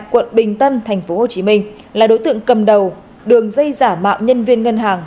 quận bình tân tp hcm là đối tượng cầm đầu đường dây giả mạo nhân viên ngân hàng